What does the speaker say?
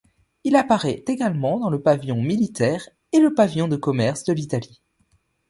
Il apparaît également dans le pavillon militaire et le pavillon de commerce de l'Italie.